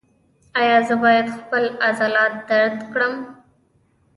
ایا زه باید خپل عضلات درد کړم؟